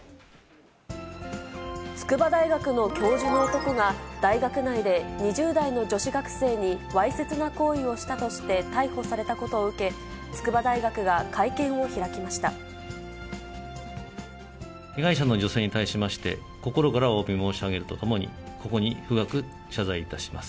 筑波大学の教授の男が、大学内で２０代の女子学生にわいせつな行為をしたとして逮捕されたことを受け、被害者の女性に対しまして、心からおわび申し上げるとともに、ここに深く謝罪いたします。